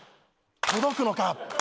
届くのか？